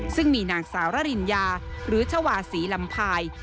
ซึ่งมีนางสาวระริญญาหรือชาวาศรีลำพาย